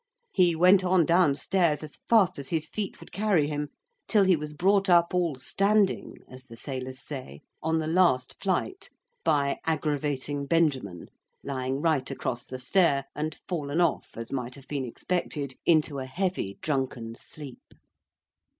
He went on down stairs as fast as his feet would carry him, till he was brought up all standing, as the sailors say, on the last flight, by agravating Benjamin, lying right across the stair, and fallen off, as might have been expected, into a heavy drunken sleep.